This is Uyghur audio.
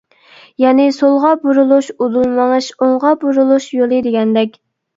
يەنى سولغا بۇرۇلۇش، ئۇدۇل مېڭىش، ئوڭغا بۇرۇلۇش يولى دېگەندەك.